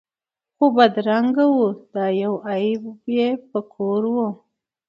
خو بدرنګه وو دا یو عیب یې په کور وو